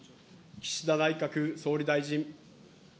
岸田内閣総理大臣。